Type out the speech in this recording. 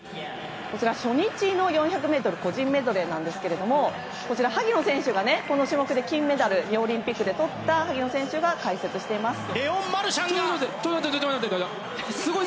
初日の４００ｍ個人メドレーですが萩野選手がこの種目で金メダルリオオリンピックでとった萩野選手が解説をしています。